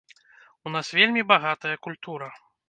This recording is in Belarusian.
У нас вельмі багатая культура.